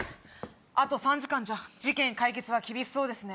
あと３時間じゃ事件解決は厳しそうですね。